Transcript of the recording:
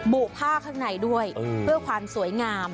ุผ้าข้างในด้วยเพื่อความสวยงาม